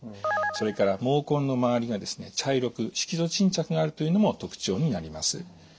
それから毛根の周りがですね茶色く色素沈着があるというのも特徴になります。